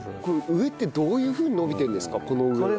これ上ってどういうふうに伸びてるんですか？